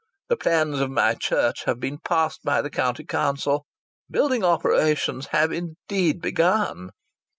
The plans of my church have been passed by the County Council. Building operations have indeed begun."